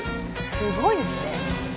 すごいですね。